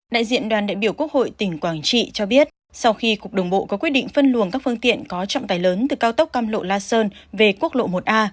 đại diện đoàn đại biểu quốc hội tỉnh quảng trị cho biết sau khi cục đường bộ có quyết định phân luồng các phương tiện có trọng tài lớn từ cao tốc cam lộ la sơn về quốc lộ một a